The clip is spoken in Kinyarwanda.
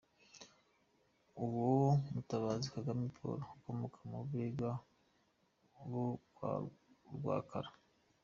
Uwo Mutabazi ni Kagame Paul, ukomoka mu Bega bo kwa Rwakagara.